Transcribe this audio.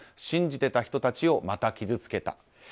信じてた人たちをまた傷つけた。